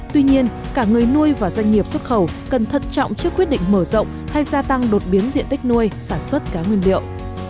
tuy nhiên cả người nuôi và doanh nghiệp xuất khẩu cần thật trọng trước quyết định mở rộng hay gia tăng đột biến diện tích nuôi sản xuất cá nguyên liệu